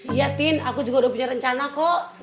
iya tin aku juga udah punya rencana kok